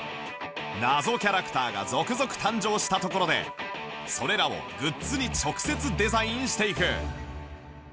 謎キャラクターが続々誕生したところでそれらをグッズに直接デザインしていく